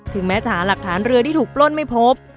แม้จะหาหลักฐานเรือที่ถูกปล้นไม่พบ